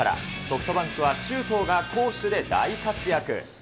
ソフトバンクは周東が攻守で大活躍。